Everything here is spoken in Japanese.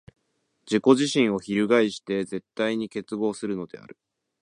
自己自身を翻して絶対に結合するのである。